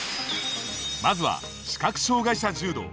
まずは「視覚障がい者柔道」。